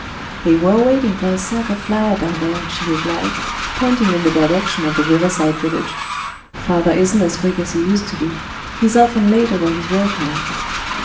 "They were waiting for a sack of flour down there," she replied, pointing in the direction of the river side village. "Father isn't as quick as he used to be. He's often late over his work now."